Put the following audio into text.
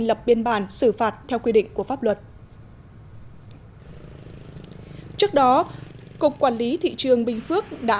lập biên bản xử phạt theo quy định của pháp luật trước đó cục quản lý thị trường bình phước đã